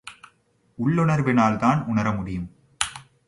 உள்ளுணர்வினால்தான் உணர முடியும்.